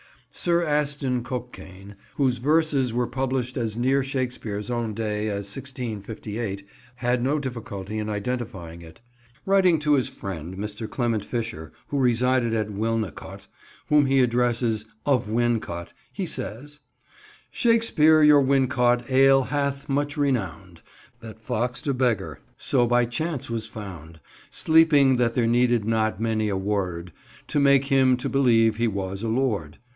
Sir Aston Cokain, whose verses were published as near Shakespeare's own day as 1658, had no difficulty in identifying it. Writing to his friend, Mr. Clement Fisher, who resided at Wilnecote, whom he addresses "of Wincott," he says "Shakespeare your Wincot ale hath much renown'd That fox'd a beggar so by chance was found Sleeping that there needed not many a word To make him to believe he was a lord.